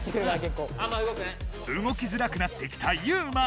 動きづらくなってきたユウマ。